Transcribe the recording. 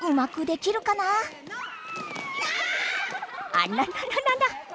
あららららら。